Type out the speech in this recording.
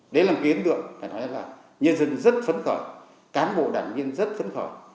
đấy là một cái ấn tượng phải nói là nhân dân rất phấn khởi cán bộ đảng viên rất phấn khởi